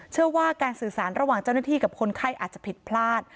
เชื่อว่าการสื่อสารระหว่างเจ้าหน้าที่กับคนไข้อาจจะผิดพลาด